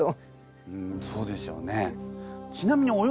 うんそうでしょうね。